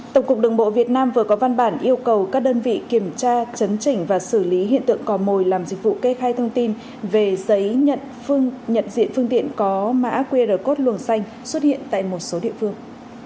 tổng cục đường bộ việt nam vừa có văn bản yêu cầu các đơn vị kiểm tra chấn chỉnh và xử lý hiện tượng cò mồi làm dịch vụ kê khai thông tin về giấy nhận diện phương tiện có mã qr code luồng xanh xuất hiện tại một số địa phương